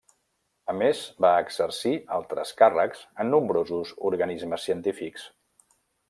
A més va exercir altres càrrecs en nombrosos organismes científics.